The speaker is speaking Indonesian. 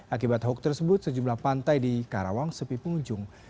akibat hoax tersebut sejumlah pantai di karawang sepi pengunjung